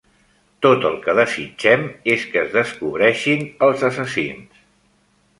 Tot el que desitgem és que es descobreixin els assassins.